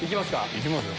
いきますよ。